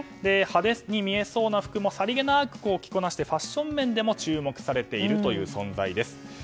派手に見えそうな服もさりげなく着こなしてファッション面でも注目されている存在です。